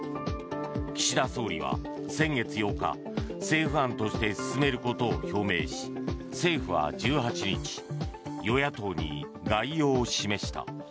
岸田総理は、先月８日政府案として進めることを表明し政府は１８日与野党に概要を示した。